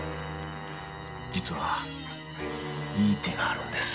実はいい手があるんです。